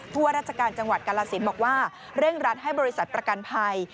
ว่าราชการจังหวัดกาลสินบอกว่าเร่งรัดให้บริษัทประกันภัย